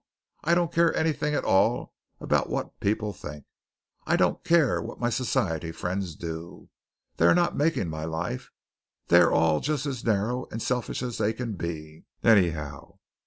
I don't care anything at all about what people think. I don't care what any society friends do. They are not making my life. They are all just as narrow and selfish as they can be, anyhow.